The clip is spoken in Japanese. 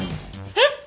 えっ！？